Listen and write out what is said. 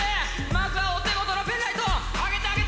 まずはお手元のペンライト上げて上げて！